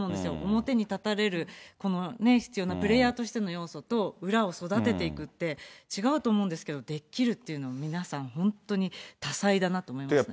表に立たれる必要な、プレーヤーとしての要素と、裏を育てていくって、違うと思うんですけど、できるっていうのは、皆さん本当に多才だなと思いますね。